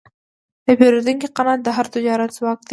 د پیرودونکي قناعت د هر تجارت ځواک دی.